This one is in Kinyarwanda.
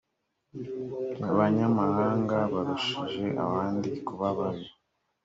banyamahanga barushije abandi kuba babi